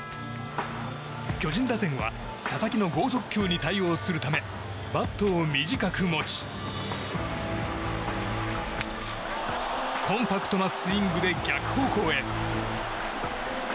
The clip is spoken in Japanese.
巨人打線は佐々木の豪速球に対応するためバットを短く持ちコンパクトなスイングで逆方向へ。